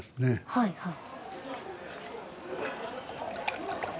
はいはい。